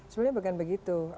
sebenarnya bukan begitu